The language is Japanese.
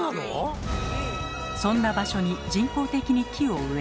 そんな場所に人工的に木を植え